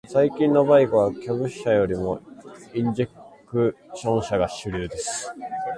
最近のバイクは、キャブ車よりもインジェクション車が主流です。